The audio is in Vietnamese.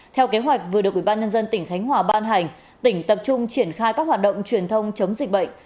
theo kế hoạch vừa được ubnd tỉnh khánh hòa ban hành tỉnh tập trung triển khai các hoạt động truyền thông chống dịch bệnh